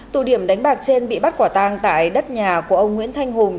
tù điểm đánh bạc trên bị bắt quả tăng tại đất nhà của ông nguyễn thanh hùng